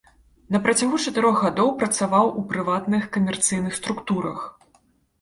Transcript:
На працягу чатырох гадоў працаваў у прыватных камерцыйных структурах.